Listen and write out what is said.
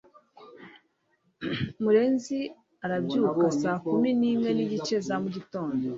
murenzi arabyuka saa kumi nimwe nigice za mugitondo